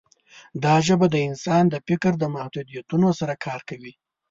دا ژبه د انسان د فکر د محدودیتونو سره کار کوي.